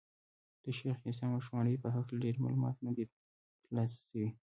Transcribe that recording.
د شېخ عیسي مشواڼي په هکله ډېر معلومات نه دي تر لاسه سوي دي.